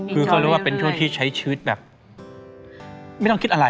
คือเขารู้ว่าเป็นช่วงที่ใช้ชีวิตแบบไม่ต้องคิดอะไร